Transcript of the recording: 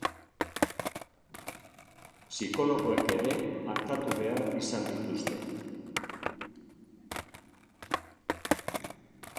Psikologoek ere artatu behar izan dituzte.